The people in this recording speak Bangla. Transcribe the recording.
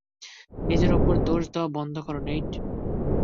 নিজের উপরে দোষ দেওয়া বন্ধ কর, নেইট।